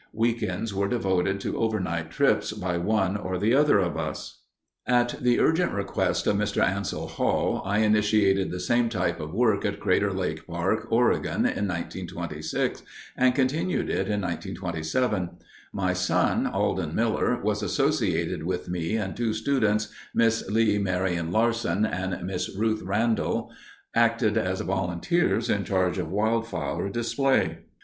Week ends were devoted to overnight trips by one or the other of us. At the urgent request of Mr. Ansel Hall I initiated the same type of work at Crater Lake Park, Oregon, in 1926 and continued it in 1927. My son, Alden Miller, was associated with me and two students, Miss Leigh Marian Larson and Miss Ruth Randall, acted as volunteers in charge of wildflower display.